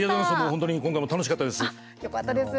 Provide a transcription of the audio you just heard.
本当に今回も楽しかったです。